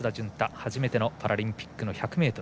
初めてのパラリンピック１００ｍ。